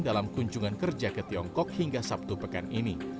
dalam kunjungan kerja ke tiongkok hingga sabtu pekan ini